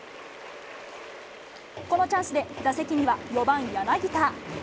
このチャンスで、打席には４番柳田。